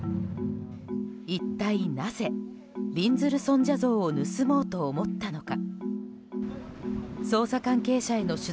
一体なぜ、びんずる尊者像を盗もうと思ったのか。